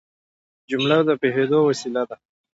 جمله د پوهېدو وسیله ده.